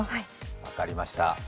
分かりました。